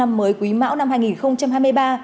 năm mới quý mão năm hai nghìn hai mươi ba